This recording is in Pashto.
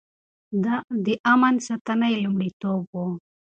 د امن ساتنه يې لومړيتوب و.